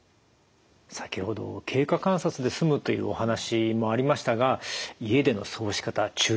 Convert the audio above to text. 先ほど経過観察で済むというお話もありましたが家での過ごし方注意点いかがでしょう。